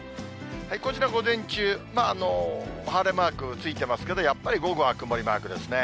こちら、午前中、晴れマーク、ついてますけど、やっぱり午後は曇りマークですね。